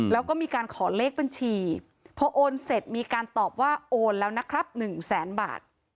แล้วก็มีการขอเลขบัญชีพอโอนเสร็จมีการตอบว่าโอนแล้วนะครับ๑แสนบาท